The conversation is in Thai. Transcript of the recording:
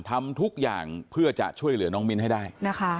ทำทุกอย่างเพื่อจะช่วยเหลือน้องมิ้นให้ได้นะคะ